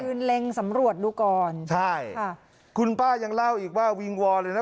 เล็งสำรวจดูก่อนใช่ค่ะคุณป้ายังเล่าอีกว่าวิงวอนเลยนะ